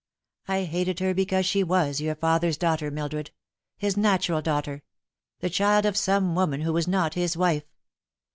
" I hated her because she was your father's daughter, Mildred his natural daughter ; the child of some woman who was not his wife.